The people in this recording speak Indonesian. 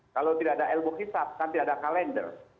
kalau tidak ada ilmu hisap kan tidak ada kalender